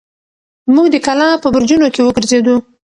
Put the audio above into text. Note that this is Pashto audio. موږ د کلا په برجونو کې وګرځېدو.